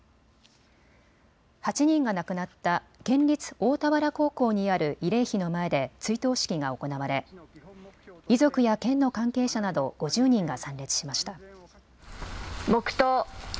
８人が亡くなった県立大田原高校にある慰霊碑の前で追悼式が行われ遺族や県の関係者など５０人が参列しました。